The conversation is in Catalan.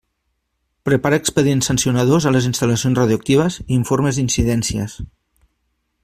Prepara expedients sancionadors a les instal·lacions radioactives i informes d'incidències.